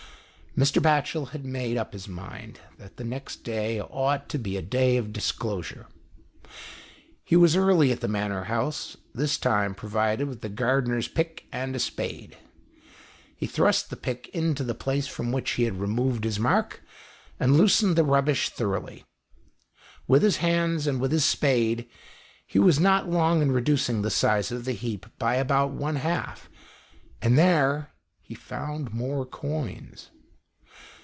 Mr. Batchel had made up his mind that the next day ought to be a day of disclosure. He was early at the Manor House, this time pro vided with the gardener's pick, and a spade. He thrust the pick into the place from which he had removed his mark, and loosened the rubbish thoroughly. With his hands, and with his spade, he was not long in reducing the size of the heap by about one half, and there he found more coins.